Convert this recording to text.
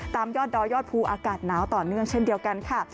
ยอดดอยยอดภูอากาศหนาวต่อเนื่องเช่นเดียวกันค่ะ